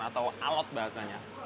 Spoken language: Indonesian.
atau alat bahasanya